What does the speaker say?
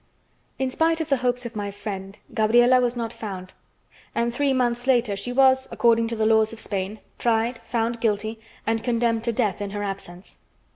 In spite of the hopes of my friend, Gabriela was not found, and three months later she was, according to the laws of Spain, tried, found guilty, and condemned to death in her absence.